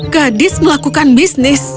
gadis melakukan bisnis